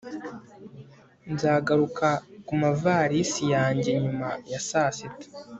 nzagaruka kumavalisi yanjye nyuma ya saa sita